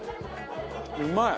うまい！